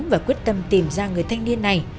và quyết tâm tìm ra người thanh niên này